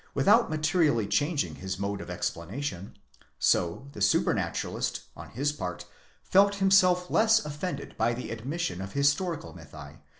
without materially changing his mode of explanation ; so the Supernaturalist . on his part felt himself less offended by the admission of historical mythi